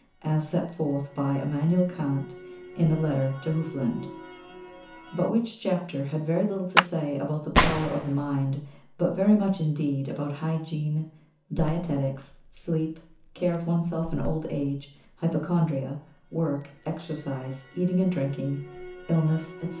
As Set forth by Immanuel Kant in a letter to Hufeland," but which chapter had very little to say about "the power of the mind," but very much indeed about Hygiene, Dietetics, Sleep, Care of Oneself in Old Age, Hypochondria, Work, Exercise, Eating and Drinking, Illness, etc.